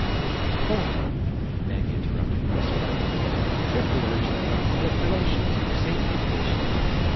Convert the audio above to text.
"Hold it," Meg interrupted crisply. "Triple urgent from Public Relations, Safety Division.